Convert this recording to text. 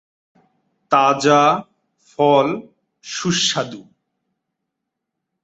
তাজা ফল সুস্বাদু।